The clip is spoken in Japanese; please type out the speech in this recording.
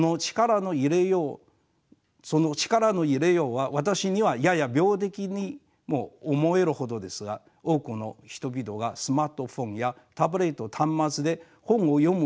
その力の入れようは私にはやや病的にも思えるほどですが多くの人々がスマートフォンやタブレット端末で本を読む